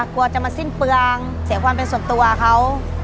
กลัวจะมาสิ้นเปลืองเสียความเป็นส่วนตัวเขา